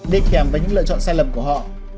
đi kèm với những lựa chọn sai lầm của họ